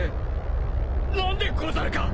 何でござるか！？